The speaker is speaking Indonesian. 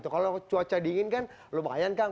kalau cuaca dingin kan lumayan kang